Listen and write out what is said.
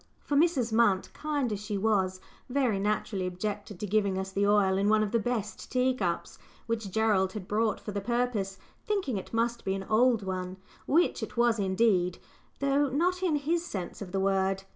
For Mrs. Munt, kind as she was, very naturally objected to giving us the oil in one of the best tea cups, which Gerald had brought for the purpose, thinking it must be "an old one," which it was indeed, though not in his sense of the word.